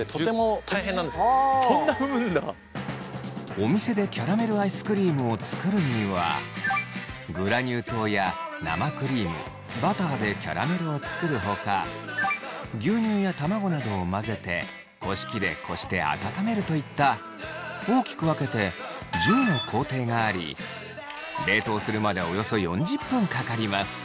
お店でキャラメルアイスクリームを作るにはグラニュー糖や生クリームバターでキャラメルを作るほか牛乳や卵などを混ぜてこし器でこして温めるといった大きく分けて１０の工程があり冷凍するまでおよそ４０分かかります。